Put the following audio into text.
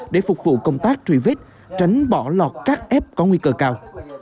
để phục vụ công tác truy vết tránh bỏ lọt các f có nguy cơ cao